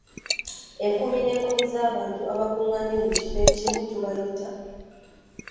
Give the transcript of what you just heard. Enkumi n'enkumi z'abantu abakungaanye mu kifo ekimu tubayita?